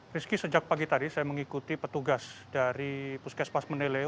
rizky sejak pagi tadi saya mengikuti petugas dari puskesmas menele